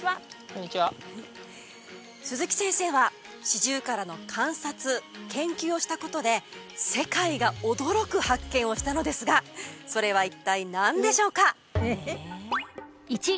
こんにちは鈴木先生はシジュウカラの観察研究をしたことで世界が驚く発見をしたのですがそれは一体何でしょうか？